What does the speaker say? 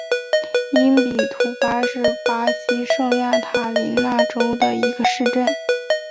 因比图巴是巴西圣卡塔琳娜州的一个市镇。